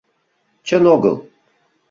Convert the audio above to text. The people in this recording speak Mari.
Чын огыл.